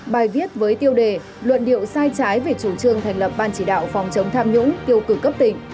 bài viết với tiêu đề luận điệu sai trái về chủ trương thành lập ban chỉ đạo phòng chống tham nhũng tiêu cực cấp tỉnh